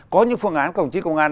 có những phương án của cổng chí công an